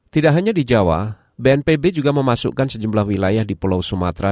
tidak hanya di jawa bnpb juga memasukkan sejumlah wilayah di pulau sumatera